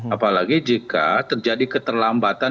apalagi jika terjadi keterlambatan